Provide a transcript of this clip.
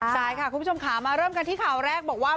ใช่ค่ะคุณผู้ชมค่ะมาเริ่มกันที่ข่าวแรกบอกว่า